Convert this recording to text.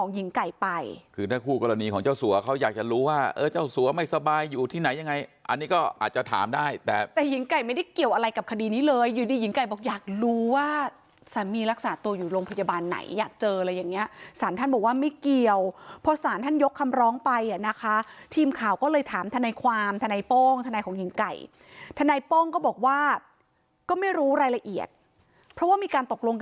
หญิงไก่ไปคือถ้าคู่กรณีของเจ้าสัวเขาอยากจะรู้ว่าเจ้าสัวไม่สบายอยู่ที่ไหนยังไงอันนี้ก็อาจจะถามได้แต่หญิงไก่ไม่ได้เกี่ยวอะไรกับคดีนี้เลยอยู่ดีหญิงไก่บอกอยากรู้ว่าสามีรักษาตัวอยู่โรงพยาบาลไหนอยากเจออะไรอย่างนี้สารท่านบอกว่าไม่เกี่ยวพอสารท่านยกคำร้องไปนะคะทีมข่าวก็เลยถามทนายความทนายโป้งทนายข